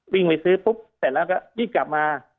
วิ่งไปซื้อปุ๊บเสร็จแล้วก็ยิ่งกลับมา